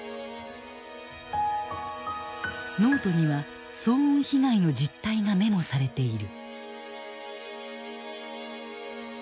ノートには騒音被害の実態がメモされている。